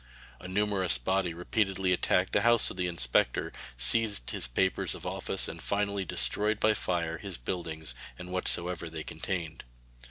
A numerous body repeatedly attacked the house of the inspector, seized his papers of office, and finally destroyed by fire his buildings and whatsoever they contained.